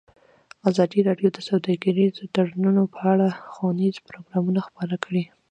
ازادي راډیو د سوداګریز تړونونه په اړه ښوونیز پروګرامونه خپاره کړي.